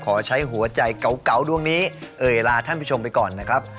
ขอใช้หัวใจเก่าดวงนี้เอ่ยลาท่านผู้ชมไปก่อนนะครับ